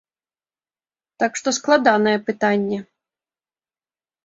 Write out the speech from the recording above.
Так што складанае пытанне.